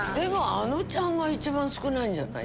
あのちゃんが一番少ないんじゃない？